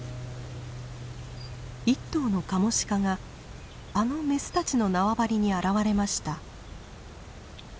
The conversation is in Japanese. １頭のカモシカがあのメスたちの縄張りに現れました。